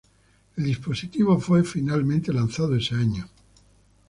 El dispositivo fue finalmente lanzado ese año.